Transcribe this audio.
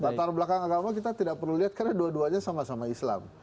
latar belakang agama kita tidak perlu lihat karena dua duanya sama sama islam